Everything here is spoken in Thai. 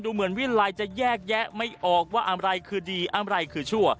เหมือนวิลัยจะแยกแยะไม่ออกว่าอะไรคือดีอะไรคือชั่ว